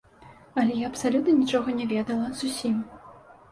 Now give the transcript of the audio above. Але я абсалютна нічога не ведала, зусім.